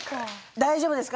大丈夫ですか。